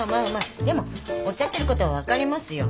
でもおっしゃってることは分かりますよ。